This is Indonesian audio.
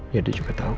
ya dia juga tau